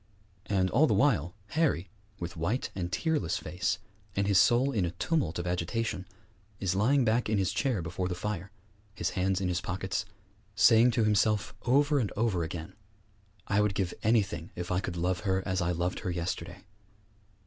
And all the while Harry, with white and tearless face, and his soul in a tumult of agitation, is lying back in his chair before the fire, his hands in his pockets, saying to himself over and over again, 'I would give anything if I could love her as I loved her yesterday!'